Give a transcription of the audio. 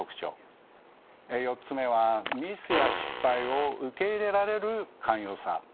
４つ目はミスや失敗を受け入れられる寛容さ。